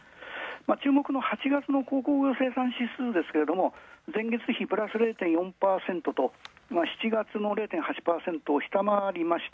注目の８月の鉱工業生産指数は前月比プラス０．４％と、７月の０．８％を下回りました。